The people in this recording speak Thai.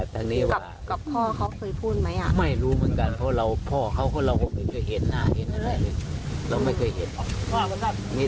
แต่เขาชอบมันหรือเปล่าเราก็ไม่รู้น่ะมันก็พูดของมันเนี้ย